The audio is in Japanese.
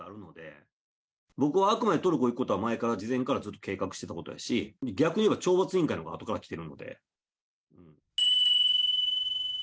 僕はあくまでトルコ行くことは前から、事前からずっと計画してたことやし、逆に言えば、懲罰委員会のほうがあとから来てるんで。